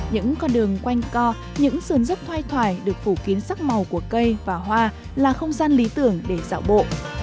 những con đường quanh co những sườn dốc thoai thoải được phủ kiến sắc màu của cây và hoa là không gian lý tưởng để dạo bộ